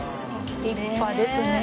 立派ですね。